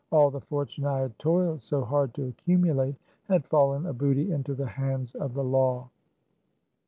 All the fortune I had toiled so hard to accumulate had fallen a booty into the hands of the law.